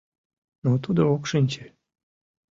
Но тудо ок шинче.